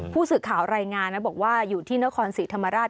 ผู้สื่อข่าวรายงานนะบอกว่าอยู่ที่นครศรีธรรมราช